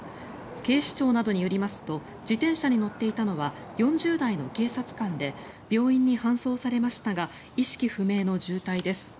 警視庁などによりますと自転車に乗っていたのは４０代の警察官で病院に搬送されましたが意識不明の重体です。